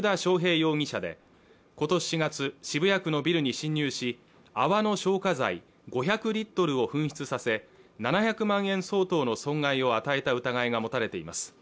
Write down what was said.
容疑者で今年４月渋谷区のビルに侵入し泡の消火剤５００リットルを噴出させ７００万円相当の損害を与えた疑いが持たれています